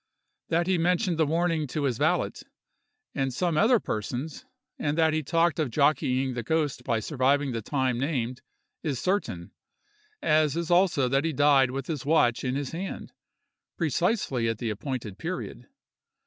That he mentioned the warning to his valet, and some other persons, and that he talked of jockeying the ghost by surviving the time named, is certain; as also that he died with his watch in his hand, precisely at the appointed period!